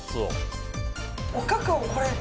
おかかをこれ。